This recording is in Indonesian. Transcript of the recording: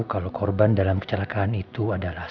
kalau korban dalam kecelakaan itu adalah